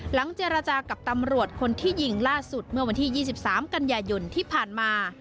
เจรจากับตำรวจคนที่ยิงล่าสุดเมื่อวันที่๒๓กันยายนที่ผ่านมา